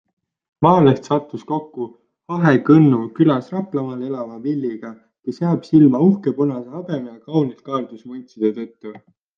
Maaleht sattus kokku Ahekõnnu külas Raplamaal elava Villyga, kes jääb silma uhke punase habeme ja kaunilt kaardus vuntside tõttu.